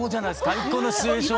最高のシチュエーション。